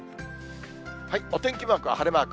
お天気マークは晴れマーク。